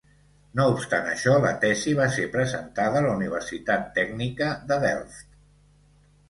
No obstant això, la tesi va ser presentada a la Universitat Tècnica de Delft.